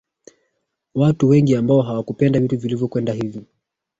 a watu wengi ambao hawakupenda vitu vilivyo kwenda hivi